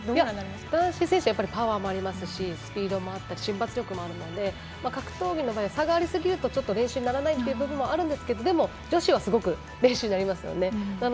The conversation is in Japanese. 男子選手はパワーもありますしスピードもあって瞬発力もあるので格闘技の場合は差がありすぎるとちょっと練習にならない部分もあるんですがでも女子はすごく練習になりますよね。